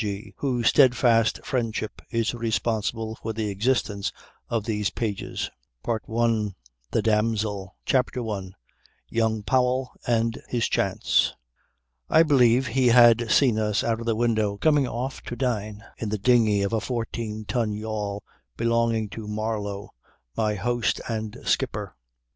G. WHO STEADFAST FRIENDSHIP IS RESPONSIBLE FOR THE EXISTENCE OF THESE PAGES PART I THE DAMSEL CHAPTER ONE YOUNG POWELL AND HIS CHANCE I believe he had seen us out of the window coming off to dine in the dinghy of a fourteen ton yawl belonging to Marlow my host and skipper.